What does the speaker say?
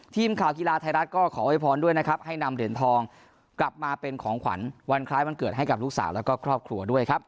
ทีมข่าวฒัยฯทีราศก็ขอโอ๊ยพรด้วยให้นำเดียณทองกลับมาเป็นของขวัญวันคล้ายวันเกิดให้กับลูกสาวและครอบครัว